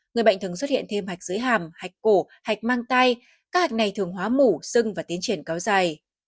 người bệnh thường xuất hiện thêm hạch dưới hàm hạch cổ hạch mang tay các hạch này thường hóa mủ xưng và tiến triển cao dài